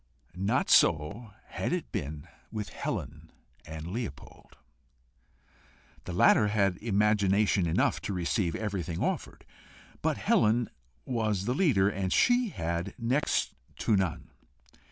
Not so had it been with Helen and Leopold. The latter had imagination enough to receive everything offered, but Helen was the leader, and she had next to none.